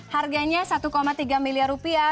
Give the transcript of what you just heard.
harganya satu tiga miliar rupiah